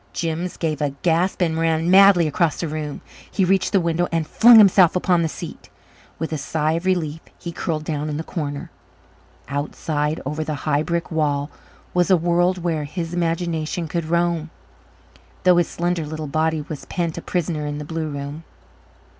Jims gave a gasp and ran madly across the room. He reached the window and flung himself upon the seat. With a sigh of relief he curled down in the corner. Outside, over the high brick wall, was a world where his imagination could roam, though his slender little body was pent a prisoner in the blue room.